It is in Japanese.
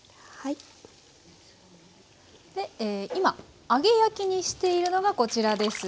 今揚げ焼きにしているのがこちらです。